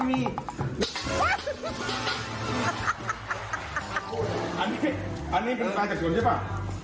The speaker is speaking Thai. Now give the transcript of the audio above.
อันนี้อันนี้เป็นป่าจากสวนใช่ป่ะ